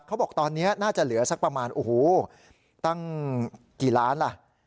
เขาบอกตอนนี้น่าจะเหลือสักประมาณโอ้โหตั้งกี่ล้านล่ะ